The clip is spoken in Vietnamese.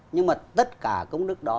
nhưng mà tất cả công đức đó